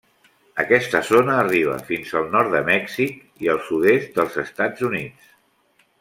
Aquesta zona arriba fins al nord de Mèxic i el sud-est dels Estats Units.